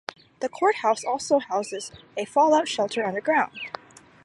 The Courthouse also houses a fallout shelter underground.